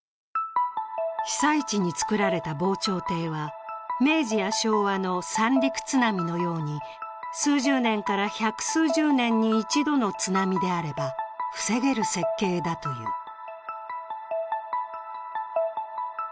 被災地に造られた防潮堤は、明治や昭和の三陸津波のように数十年から百数十年に一度の津波であれば防げる設計だという。